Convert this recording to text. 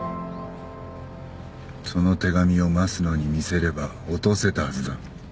その手紙を益野に見せれば落とせたはずだ。